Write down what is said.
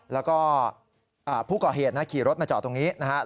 แล้วก็ผู้ก่อเหตุขี่รถมาจอดตรงนี้นะครับ